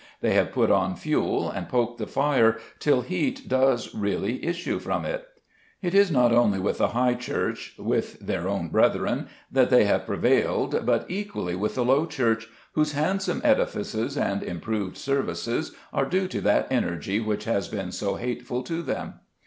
They have put on fuel and poked the fire, till heat does really issue from it. It is not only with the High Church, with their own brethren, that they have prevailed, but equally with the Low Church, whose handsome edifices and improved services are due to that energy which has been so hateful to them.